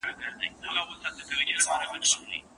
چیغي پورته له سړیو له آسونو